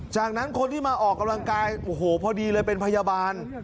จากนั้นคนที่มาออกกำลังกายโอ้โหพอดีเลยเป็นพยาบาล